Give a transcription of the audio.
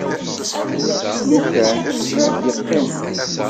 Kkes lukan, acu i d-iqqimen?